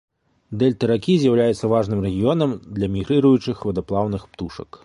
Дэльта ракі з'яўляецца важным рэгіёнам для мігрыруючых вадаплаўных птушак.